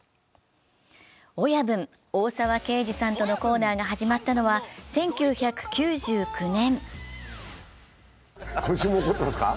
親分・大沢啓二さんとのコーナーが始まったのは１９９９年。